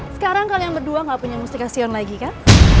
sekarang kalian berdua gak punya mustikasi on lagi kan